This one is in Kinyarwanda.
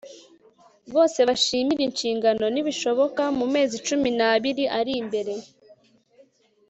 bose bashimire inshingano n'ibishoboka mu mezi cumi n'abiri ari imbere